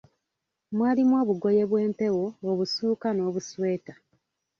Mwalimu obugoye bw'empewo, obusuuka n'obusweta.